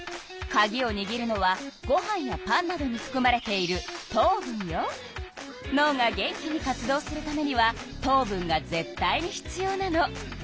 かぎをにぎるのはごはんやパンなどにふくまれているのうが元気に活動するためには糖分がぜっ対に必要なの。